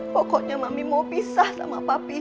pokoknya mami mau pisah sama papi